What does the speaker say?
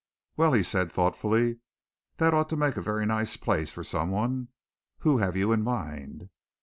"Well," he said thoughtfully, "that ought to make a very nice place for someone. Who have you in mind?"